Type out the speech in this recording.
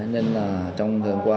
nên là trong thời gian qua